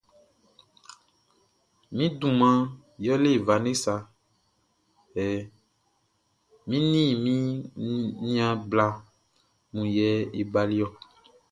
Mi duman yɛlɛ Vanessa hɛ, mi ni mi niaan bla mun yɛ e baliɔ.